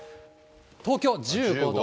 東京１５度。